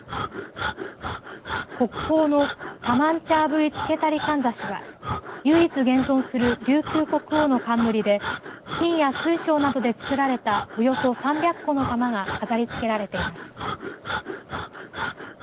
国宝の王冠付簪は唯一、現存する琉球国王の冠で金や水晶などで作られたおよそ３００個の玉が飾りつけられています。